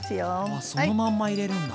あそのまんま入れるんだ。